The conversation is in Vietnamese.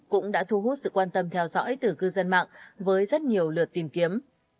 cũng đã thu hút sự quan tâm theo dõi từ cư dân mạng với rất nhiều lượt tìm kiếm